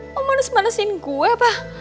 mau manes manesin gue apa